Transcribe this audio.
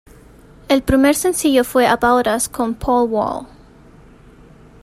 El primer sencillo fue "About Us" con Paul Wall.